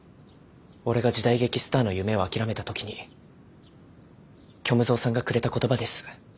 俺が時代劇スターの夢を諦めた時に虚無蔵さんがくれた言葉です。